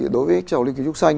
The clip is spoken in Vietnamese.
đối với trò luyện kiến trúc xanh